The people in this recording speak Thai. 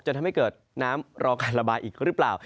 จะทำให้เกิดน้ำรอการระบายอีกหรือเปล่า